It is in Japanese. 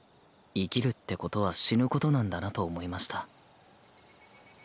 生きるってことは死ぬことなんだなと思いました。